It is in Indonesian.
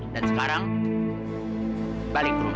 dan sekarang balik ke rumah